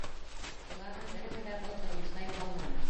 Уларҙың береһе лә был тормошта юғалманы.